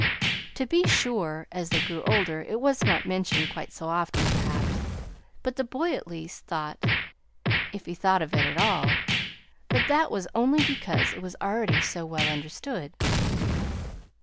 To be sure, as they grew older, it was not mentioned quite so often, perhaps; but the boy at least thought if he thought of it all that that was only because it was already so well understood."